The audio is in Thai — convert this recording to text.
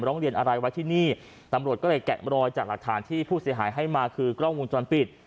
เรียนอะไรไว้ที่นี่ตำรวจก็เลยแกะรอยจากหลักฐานที่ผู้เสียหายให้มาคือกล้องวงจรปิด